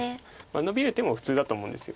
ノビる手も普通だと思うんです。